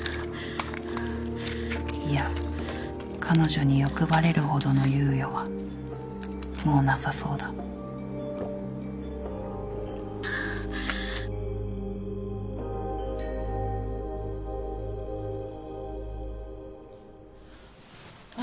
いや彼女に欲張れるほどの猶予はもうなさそうだあ